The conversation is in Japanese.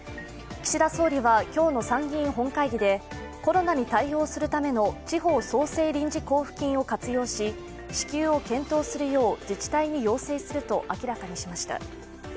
岸田総理は今日の参議院本会議で、コロナに対応するための地方創生臨時交付金を活用し支給を検討するよう自治体に要請すると明らかにしました。